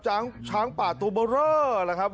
ช้างป่าตูเบอร์เรอร์ล่ะครับ